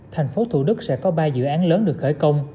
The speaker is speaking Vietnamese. thành phố thủ đức sẽ có ba dự án lớn được khởi công